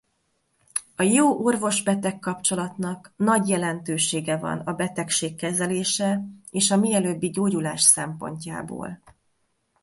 A jó orvos-beteg kapcsolatnak nagy jelentősége van betegség kezelése és a mielőbbi gyógyulás szempontjából.